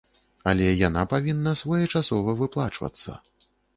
Але яна павінна своечасова выплачвацца.